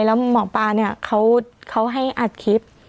แล้วหมอปลาเขาให้อัดคลิป